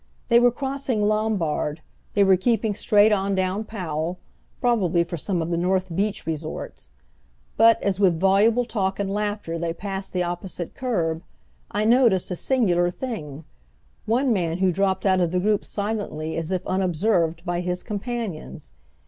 They were crossing Lombard, they were keeping straight on down Powell, probably for some of the North Beach resorts; but, as with voluble talk and laughter they passed the opposite curb, I noticed a singular thing one man who dropped out of the group silently as if unobserved by his companions.